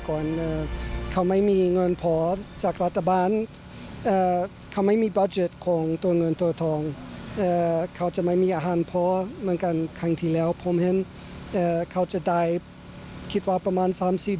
เจ้าแขกสัตว์แก่งแล้วยังเจ้าแก่งเอมาและรักษาและประชาธิการต่างเกิด